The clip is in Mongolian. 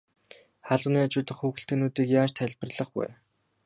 Хаалганы хажуу дахь хүүхэлдэйнүүдийг яаж тайлбарлах вэ?